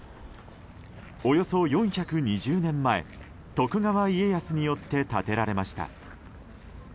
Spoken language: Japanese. およそ４２０年前徳川家康によって建てられました。